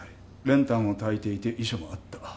練炭をたいていて遺書もあった。